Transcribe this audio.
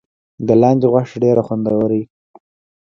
د لاندي غوښه ډیره خوندوره وي.